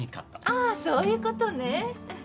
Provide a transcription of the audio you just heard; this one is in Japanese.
ああそういう事ね。